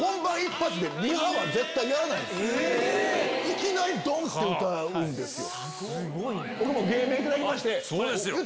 いきなりドン！って歌うんですよ。